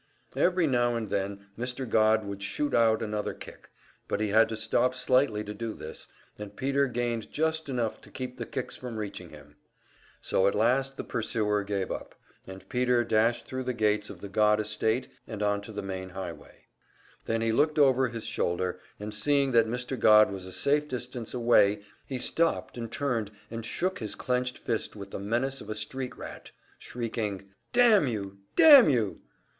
Every now and then Mr. Godd would shoot out another kick, but he had to stop slightly to do this, and Peter gained just enough to keep the kicks from reaching him. So at last the pursuer gave up, and Peter dashed thru the gates of the Godd estate and onto the main highway. Then he looked over his shoulder, and seeing that Mr. Godd was a safe distance away, he stopped and turned and shook his clenched fist with the menace of a street rat, shrieking, "Damn you! Damn you!"